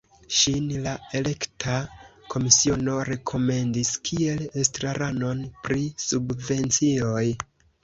Ŝin la elekta komisiono rekomendis kiel estraranon pri subvencioj.